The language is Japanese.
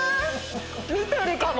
見てるかも！